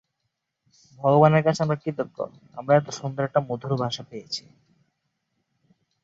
পরে তা রাজ্যের মর্যাদা লাভ করে।